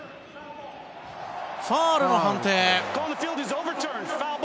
ファウルの判定。